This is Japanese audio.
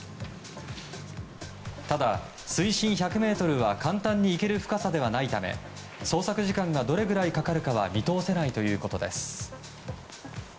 ただ、水深１００ｍは簡単に行ける深さではないため捜索時間がどれぐらいかかるかは見通せないということです。